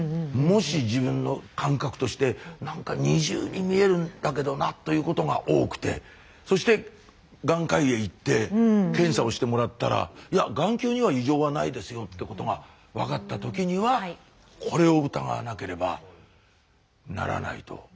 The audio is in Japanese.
もし自分の感覚としてなんか２重に見えるんだけどなということが多くてそして眼科医へ行って検査をしてもらったらいや眼球には異常はないですよってことが分かったときにはこれを疑わなければならないと。